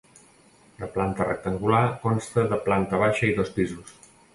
De planta rectangular, consta de planta baixa i dos pisos.